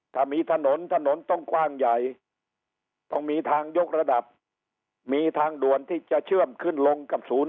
ถามีถนนถนนต้องกว้างใหญ่มีทางยกระดับมีทางด่วนที่จะเชื่อมขึ้นลง